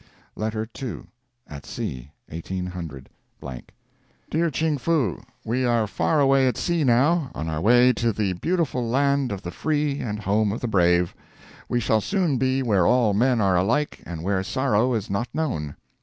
LETTER II. AT SEA, 18—. DEAR CHING FOO: We are far away at sea now, on our way to the beautiful Land of the Free and Home of the Brave. We shall soon be where all men are alike, and where sorrow is not known.